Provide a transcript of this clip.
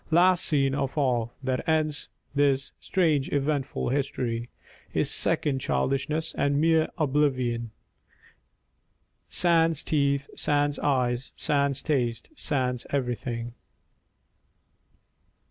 Last scene of all, That ends this strange eventful history, Is second childishness and mere oblivion, Sans teeth, sans eyes, sans taste, sans everything.